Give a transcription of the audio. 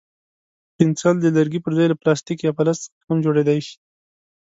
پنسل د لرګي پر ځای له پلاستیک یا فلز څخه هم جوړېدای شي.